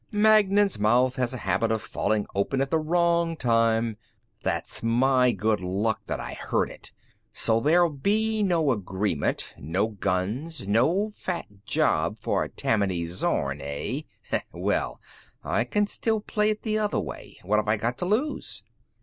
"Magnan's mouth has a habit of falling open at the wrong time " "That's my good luck that I heard it. So there'll be no agreement, no guns, no fat job for Tammany Zorn, hey? Well, I can still play it the other way, What have I got to lose?"